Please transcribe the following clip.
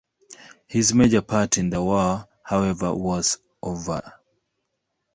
His major part in the war, however, was over.